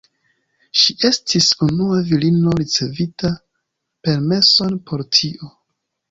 Ŝi estis unua virino ricevinta permeson por tio.